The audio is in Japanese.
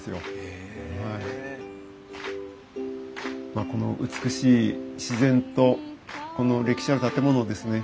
まあこの美しい自然とこの歴史ある建物をですね